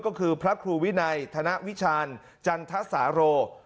ก็คือพระครูวินัยธนวิชาญจันทสาโร